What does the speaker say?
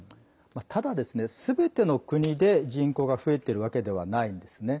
ただですね、すべての国で人口が増えているわけではないんですね。